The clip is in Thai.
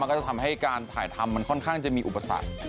มันก็ทำให้การถ่ายทำมันข้อนข้างจะมีอุปิศัตริย์